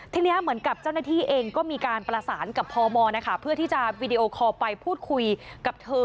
ทีนี้เหมือนกับเจ้าหน้าที่เองก็มีการประสานกับพมนะคะเพื่อที่จะวีดีโอคอลไปพูดคุยกับเธอ